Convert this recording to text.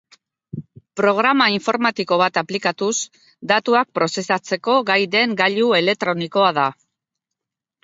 Programa informatiko bat aplikatuz datuak prozesatzeko gai den gailu elektronikoa da.